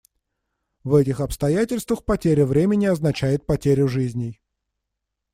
В этих обстоятельствах потеря времени означает потерю жизней.